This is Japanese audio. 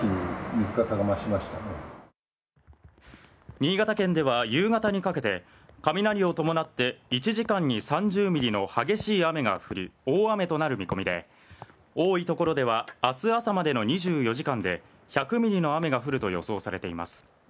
新潟県では夕方にかけて雷を伴って１時間に３０ミリの激しい雨が降る大雨となる見込みで、多いところでは明日朝までの２４時間で１００ミリの雨が降ると予想されています。